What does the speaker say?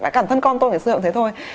cả thân con tôi thì sử dụng thế thôi